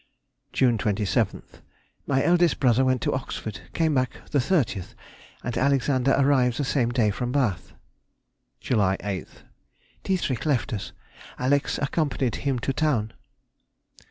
June 27th.—My eldest brother went to Oxford, came back the 30th, and Alexander arrived the same day from Bath. July 8th.—Dietrich left us; Alex accompanied him to town.